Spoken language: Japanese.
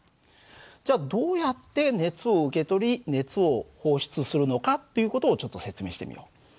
じゃあどうやって熱を受け取り熱を放出するのかっていう事をちょっと説明してみよう。